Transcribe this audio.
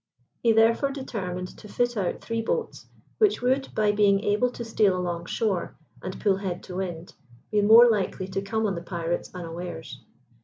He therefore determined to fit out three boats, which would, by being able to steal along shore, and pull head to wind, be more likely to come on the pirates unawares.